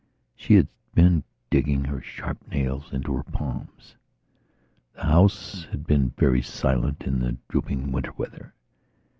She had been digging her sharp nails into her palms. The house had been very silent in the drooping winter weather.